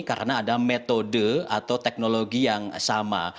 karena ada metode atau teknologi yang sama